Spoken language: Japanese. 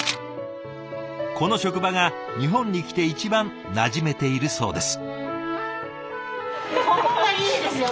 この職場が日本に来て一番なじめているそうです。